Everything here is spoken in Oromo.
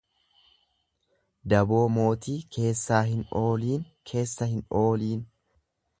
Daboo mootii keessaa hin ooliin keessa hin ooliin.